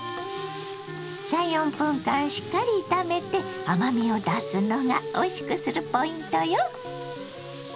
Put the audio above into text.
３４分間しっかり炒めて甘みを出すのがおいしくするポイントよ。